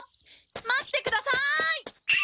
待ってください！